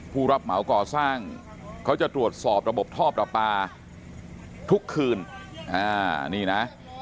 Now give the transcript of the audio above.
ผู้รับเหมาก่อสร้างเขาจะตรวจสอบระบบท่อประปาทุกคืนนี่นะ